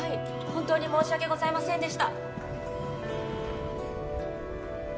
本当に申し訳ございませんでした